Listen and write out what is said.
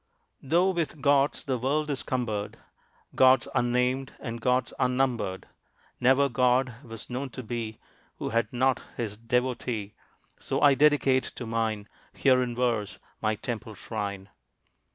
Though with gods the world is cumbered, Gods unnamed, and gods unnumbered, Never god was known to be Who had not his devotee. So I dedicate to mine, Here in verse, my temple shrine.